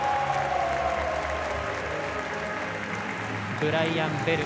ブライアン・ベル。